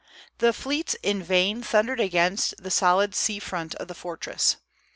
The fleets in vain thundered against the solid sea front of the fortress.